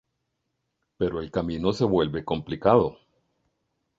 Pero el camino se vuelve complicado.